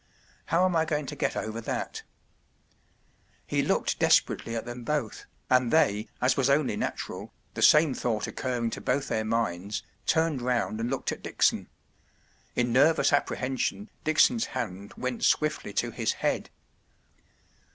How am I going to get over that ? ” He looked desperately at them both, and they, as w'as only natural, the same thought occurring to both their minds, turned round and looked at Dickson. In nervous apprehen¬ sion, Dickson’s hand went swiftly to his head.